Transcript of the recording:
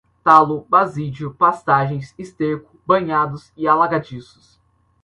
talo, basídio, pastagens, esterco, banhados e alagadiços